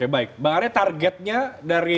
baik bang arya targetnya dari